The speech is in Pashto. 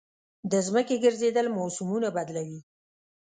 د ځمکې ګرځېدل موسمونه بدلوي.